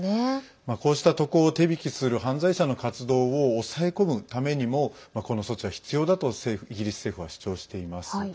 こうした渡航を手引きする犯罪者の活動を抑え込むためにもこの措置は必要だとイギリス政府は主張しています。